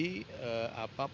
pemahaman terhadap pancasila